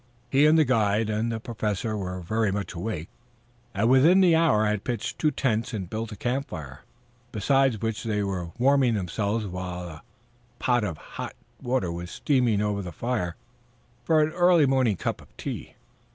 He and the guide and the Professor were very much awake, and within the hour had pitched two tents and built a campfire, beside which they were warming themselves while a pot of hot water was steaming over the fire for an early morning cup of tea.